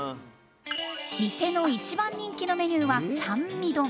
店の１番人気のメニューは三味丼。